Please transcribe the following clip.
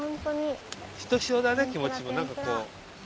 ひとしおだね気持ちもなんかこう。